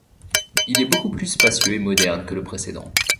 Il est beaucoup plus spacieux et moderne que le précédent.